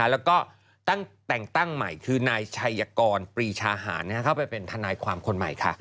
แล้วก็ตั้งแต่งตั้งใหม่คือนายชัยกรปรีชาหารเข้าไปเป็นทนายความคนใหม่ค่ะ